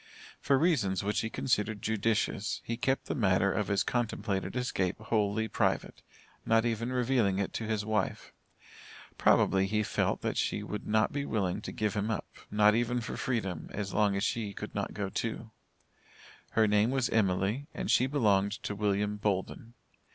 For reasons which he considered judicious, he kept the matter of his contemplated escape wholly private, not even revealing it to his wife. Probably he felt that she would not be willing to give him up, not even for freedom, as long as she could not go too. Her name was Emily, and she belonged to William Bolden.